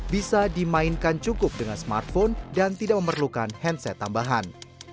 bisa dimainkan cukup dengan smartphone dan tidak memerlukan handset tambahan